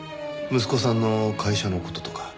息子さんの会社の事とか？